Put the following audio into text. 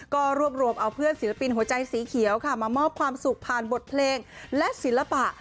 ก็รวบรวมเอาเพื่อนศิลปินหัวใจสีเขียวค่ะมามอบความสุขผ่านบทเพลงและศิลปะ